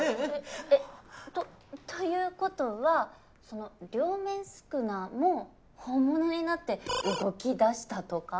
えっということはその両面宿儺も本物になって動きだしたとか？